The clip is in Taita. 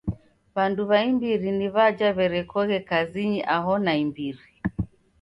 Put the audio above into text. W'andu w'a imbiri ni w'aja w'erekoghe kazinyi aho naimbiri.